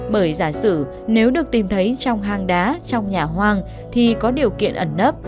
bởi giả sử nếu được tìm thấy trong hang đá trong nhà hoang thì có điều kiện ẩn nấp